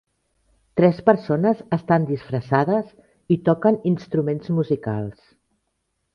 Tres persones estan disfressades i toquen instruments musicals.